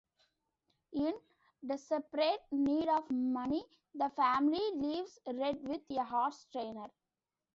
In desperate need of money, the family leaves Red with a horse trainer.